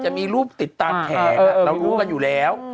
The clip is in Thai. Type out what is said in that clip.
จะมีรูปติดตามแผงเรารู้กันอยู่แล้ว